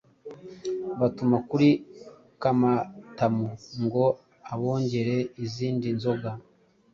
batuma kuri Kamatamu ngo abongere izindi nzoga.